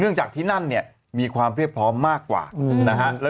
จากที่นั่นเนี่ยมีความเรียบพร้อมมากกว่านะฮะ